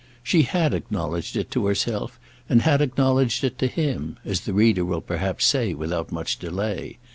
She had acknowledged it to herself, and had acknowledged it to him, as the reader will perhaps say without much delay.